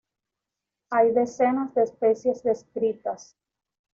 Hay decenas de especies descritas.